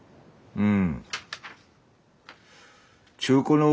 うん。